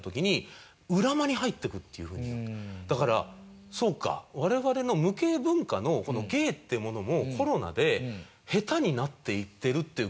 だからそうか我々の無形文化のこの芸ってものもコロナで下手になっていってるっていう現象があるって。